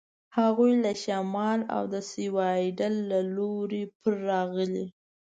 هغوی له شمال او د سیوایډل له لوري پر راغلي.